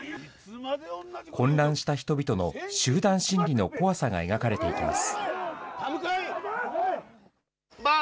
混乱した人々の集団心理の怖さが描かれていきます。